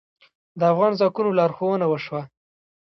د افغان ځواکونو لارښوونه وشوه.